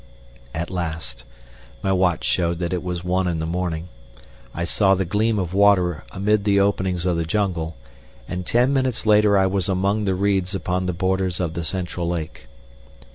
At last (my watch showed that it was one in the morning) I saw the gleam of water amid the openings of the jungle, and ten minutes later I was among the reeds upon the borders of the central lake.